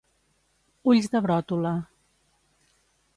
Ulls de bròtola.